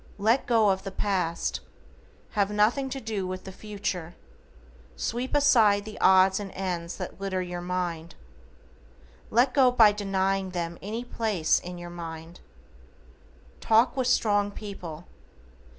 LET GO OF THE PAST. Have nothing to do with the future. Sweep aside the odds and ends that litter your mind. Let go by denying them any place in your mind. TALK WITH STRONG PEOPLE.